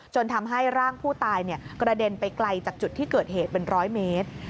ทำให้ร่างผู้ตายกระเด็นไปไกลจากจุดที่เกิดเหตุเป็น๑๐๐เมตร